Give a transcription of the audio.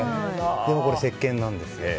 でも、せっけんなんです。